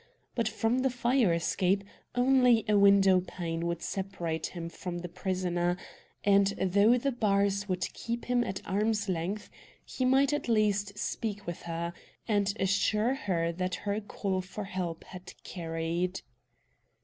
But from the fire escape only a window pane would separate him from the prisoner, and though the bars would keep him at arm's length, he might at least speak with her, and assure her that her call for help had carried.